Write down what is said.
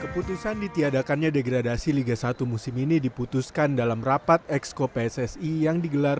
keputusan ditiadakannya degradasi liga satu musim ini diputuskan dalam rapat exco pssi yang digelar